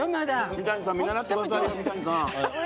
三谷さん見習ってください。